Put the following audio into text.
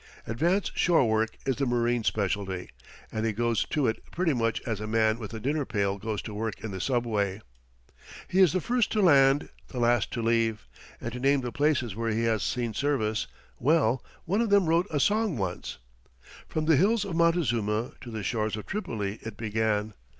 Advance shore work is the marine's specialty, and he goes to it pretty much as a man with a dinner pail goes to work in the subway. He is the first to land, the last to leave, and to name the places where he has seen service well, one of them wrote a song once. "From the hills of Montezuma to the shores of Tripoli," it began.